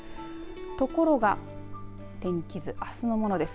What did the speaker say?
ところが天気図あすのものです。